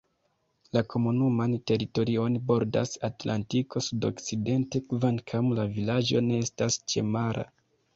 La komunuman teritorion bordas Atlantiko sudokcidente, kvankam la vilaĝo ne estas ĉemara.